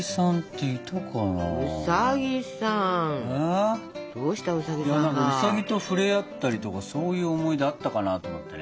いや何かウサギと触れ合ったりとかそういう思い出あったかなと思ってね。